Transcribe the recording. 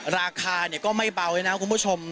ราคาก็ไม่เบาเลยนะคุณผู้ชม